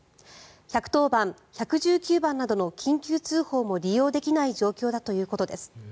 １１０番、１１９番などの緊急通報も利用できない状況だということです。